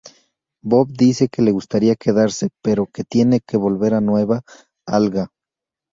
Bob dice que le gustaría quedarse, pero que tiene que volver a Nueva Alga.